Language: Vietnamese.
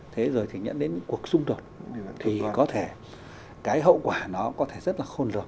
thế rồi thì nhận đến cuộc xung đột thì có thể cái hậu quả nó có thể rất là khôn rộng